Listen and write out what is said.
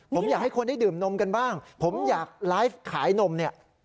ผมอยากให้คนได้ดื่มนมกันบ้างผมอยากไลฟ์ขายนมเนี่ย